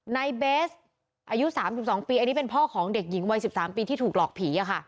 ในเบสอายุ๓๒ปีอันนี้เป็นพ่อของเด็กหญิงวัย๑๓ปีที่ถูกหลอกผี